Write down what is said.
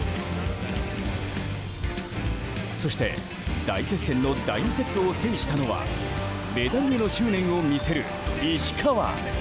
そして大接戦の第２セットを制したのはメダルへの執念を見せる石川。